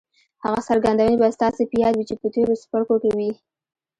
هغه څرګندونې به ستاسې په ياد وي چې په تېرو څپرکو کې وې.